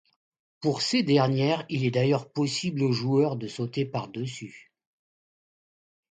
Pour ces dernières il est d'ailleurs possible au joueur de sauter par-dessus.